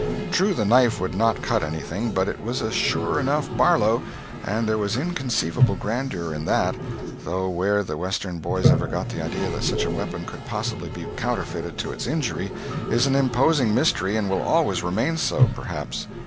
True, the knife would not cut anything, but it was a "sure enough" Barlow, and there was inconceivable grandeur in that—though where the Western boys ever got the idea that such a weapon could possibly be counterfeited to its injury is an imposing mystery and will always remain so, perhaps.